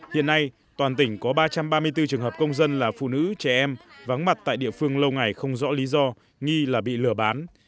hiện nay toàn tỉnh có ba trăm ba mươi bốn trường hợp công dân là phụ nữ trẻ em vắng mặt tại địa phương lâu ngày không rõ lý do nghi là bị lừa bán